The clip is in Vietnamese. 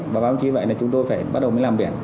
báo báo chí vậy là chúng tôi phải bắt đầu mới làm biển